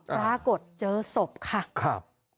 ปรากฏเจอศพค่ะ